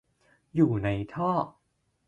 อยู่ในท่อ